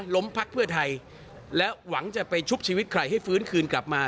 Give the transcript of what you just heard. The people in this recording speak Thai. พักเพื่อไทยและหวังจะไปชุบชีวิตใครให้ฟื้นคืนกลับมา